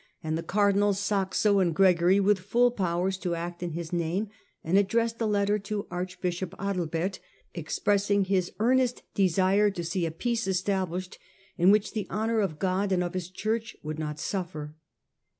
Digitized by GoOglC 2I6 HiLDEBRAND aiid the cardinals Saxo and Gregory with full powers to act in his name, and addressed a letter to archbishop Adalbert, expressing his earnest desire to see a peace established, in which the honour of God and of His Church should not suffer.